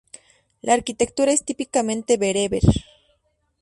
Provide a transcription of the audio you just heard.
La arquitectura es típicamente bereber.